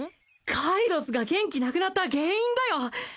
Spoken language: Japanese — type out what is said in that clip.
カイロスが元気なくなった原因だよ！